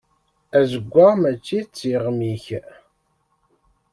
Azeggaɣ mačči d tiɣmi-k.